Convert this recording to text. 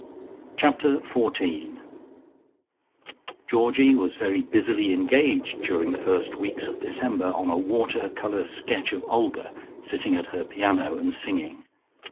Chapter FOURTEEN Georgie was very busily engaged during the first weeks of December on a water colour sketch of Olga sitting at her piano and singing.